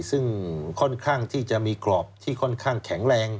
ซึ่งค่อนข้างที่จะมีกรอบที่ค่อนข้างแข็งแรง